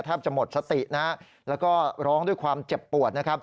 เท่าว่าจะหมดสติแล้วก็ร้องด้วยความเจ็บปวด